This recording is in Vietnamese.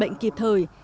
bệnh kịp thời